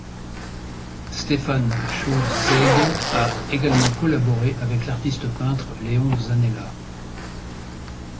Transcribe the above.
Stéphane Chaudesaigues a également collaboré avec l'artiste peintre Léon Zanella.